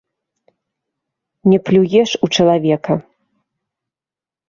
Не плюеш у чалавека.